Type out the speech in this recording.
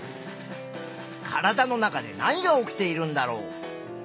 体の中で何が起きているんだろう。